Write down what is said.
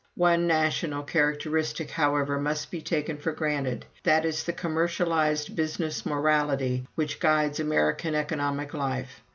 One national characteristic, however, must be taken for granted. That is the commercialized business morality which guides American economic life.